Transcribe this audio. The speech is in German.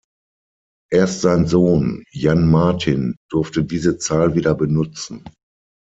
Erst sein Sohn Jan Martín durfte diese Zahl wieder benutzen.